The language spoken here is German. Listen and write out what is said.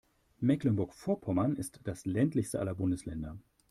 Mecklenburg-Vorpommern ist das ländlichste aller Bundesländer.